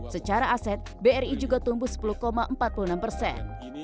secara aset bri juga tumbuh sepuluh empat puluh enam persen